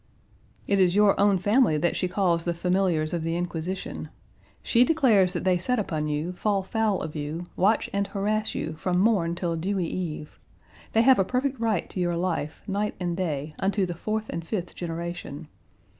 "It is your own family that she calls the familiars of the Inquisition. She declares that they set upon you, fall foul of you, watch and harass you from morn till dewy eve. They have a perfect right to your life, night and day, unto the fourth and fifth generation.